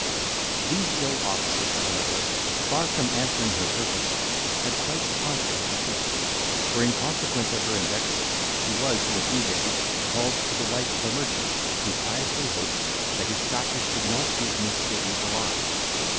These ill offices, however, far from answering her purpose, had a quite contrary effect. For, in consequence of her invectives, he was, in a few days, called to the wife of a merchant, who piously hoped, that his practice would not give Miss Biddy the lie.